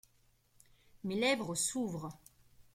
Mes lèvres s’ouvrent!